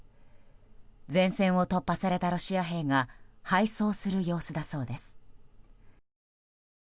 前線を突破されたロシア兵が敗走する様子だそうです。